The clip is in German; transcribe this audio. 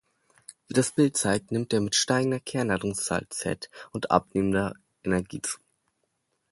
Wie das Bild zeigt, nimmt er mit steigender Kernladungszahl "Z" und abnehmender Energie zu.